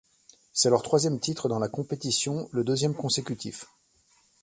C'est leur troisième titre dans la compétition, le deuxième consécutif.